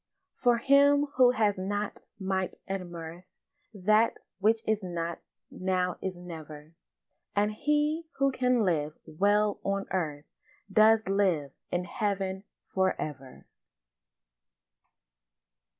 For him who has not might and mirth That which is not now is never; And he who can live well on earth Does live in heaven for ever.